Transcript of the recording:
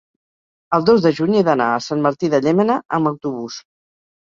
el dos de juny he d'anar a Sant Martí de Llémena amb autobús.